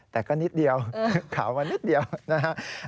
แต่ก็นิดเดียวขาวมานิดเดียวนะฮะ